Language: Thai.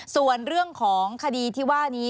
ส่วนเรื่องของคดีที่ว่านี้